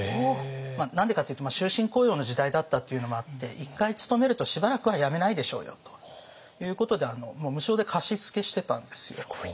何でかっていうと終身雇用の時代だったっていうのもあって一回勤めるとしばらくは辞めないでしょうよということで無償で貸し付けしてたんですよ。